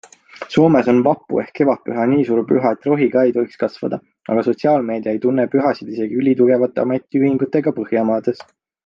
Soomes on vappu ehk kevadpüha nii suur püha, et rohi ka ei tohiks kasvada, aga sotsiaalmeedia ei tunne pühasid isegi ülitugevate ametiühingutega Põhjamaades.